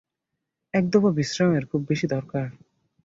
এক দফা বিশ্রামের খুব বেশী দরকার।